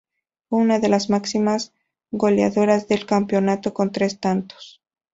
Fue una de las máximas goleadoras del campeonato con tres tantos.